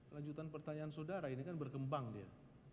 lanjutan pertanyaan saudara ini kan berkembang dia